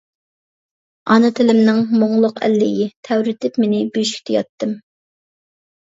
ئانا تىلىمنىڭ مۇڭلۇق ئەللىيى، تەۋرىتىپ مېنى بۆشۈكتە ياتتىم.